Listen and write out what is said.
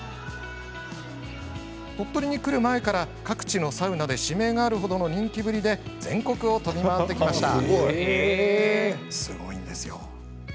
鳥取に来る前から各地のサウナで指名があるほどの人気ぶりで全国を飛び回ってきました。